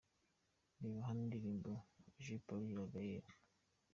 Reba hano indirimbo 'Je Pars' ya Gaël